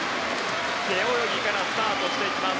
背泳ぎからスタートしていきます。